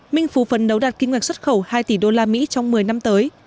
minh phú phấn đấu đạt kinh hoạt xuất khẩu hai tỷ đô la mỹ trong một mươi năm tới